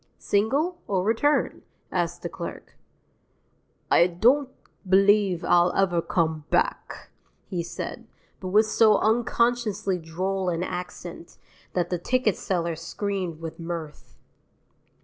"Single, or return?" asked the clerk. "I don't believe I'll ever come back," he said, but with so unconsciously droll an accent that the ticket seller screamed with mirth.